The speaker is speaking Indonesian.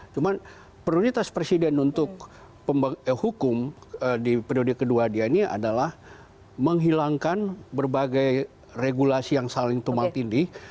cuma prioritas presiden untuk hukum di periode kedua dia ini adalah menghilangkan berbagai regulasi yang saling tumpang tindih